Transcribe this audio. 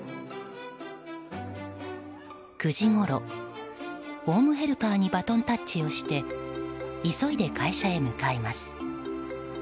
９時ごろ、ホームヘルパーにバトンタッチをして急いで会社へ向かいます。